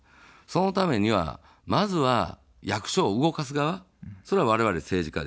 そのためには、まずは役所を動かす側、それはわれわれ政治家ですよ。